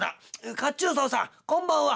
褐虫藻さんこんばんは！